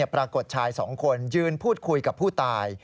ปรากฏชายสองคนยืนพูดคุยกับผู้ตาย